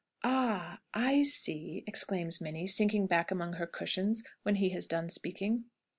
"Ah, I see!" exclaims Minnie, sinking back among her cushions when he has done speaking.